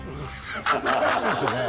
そうっすよね。